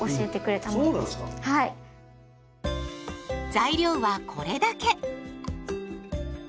材料はこれだけ。